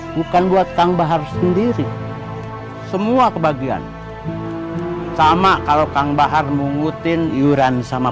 bukan buat kang bahar sendiri semua kebagian sama kalau kang bahar mungutin iuran sama